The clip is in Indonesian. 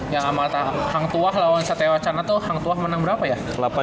yang amal hang tuah lawan sate wacana tuh hang tuah menang berapa ya